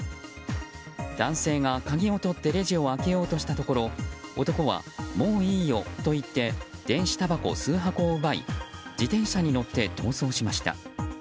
男性が鍵をとってレジを開けようとしたところ男は、もういいよと言って電子たばこ数箱を奪い自転車に乗って逃走しました。